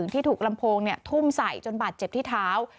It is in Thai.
ที่ถูกลำโพงทุ่มใส่จนบาดเจ็บที่เท้า